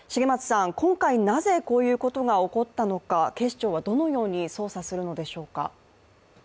今回なぜ、こういうことが起こったのか、警視庁はどのように捜査するのでしょうか？